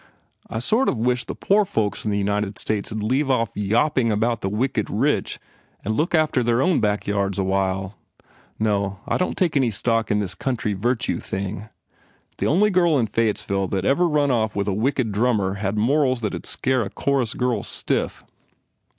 I sort of wish the poor folks in the United States d leave off yawp ing about the wicked rich and look after their own backyards a while! No, I don t take any stock in this country virtue thing. The only girl in Fayettesville that ever run off with a wicked drummer had morals that d scare a chorus girl stiff.